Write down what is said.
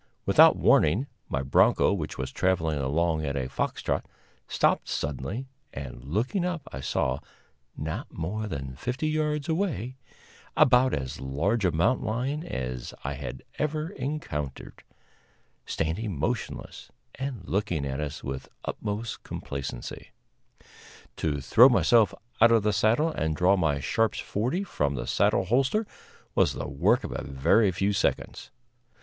Without warning, my bronco, which was traveling along at a fox trot, stopped suddenly, and looking up I saw, not more than fifty yards away, about as large a mountain lion as I had ever encountered, standing motionless and looking at us with utmost complacency. To throw myself out of the saddle and draw my Sharps forty from the saddle holster was the work of a very few seconds.